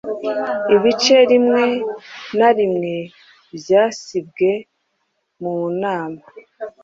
Ibice rimwe na rimwe byasibwemunama